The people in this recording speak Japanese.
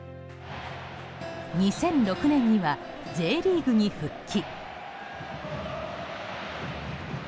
２００６年にはＪリーグに復帰。